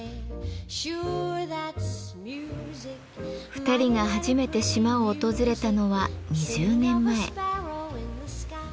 ２人が初めて島を訪れたのは２０年前。